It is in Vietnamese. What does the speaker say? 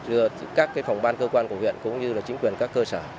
giữa các phòng ban cơ quan của huyện cũng như là chính quyền các cơ sở